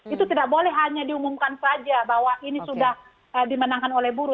itu tidak boleh hanya diumumkan saja bahwa ini sudah dimenangkan oleh buruh